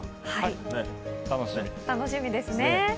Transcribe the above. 楽しみですね。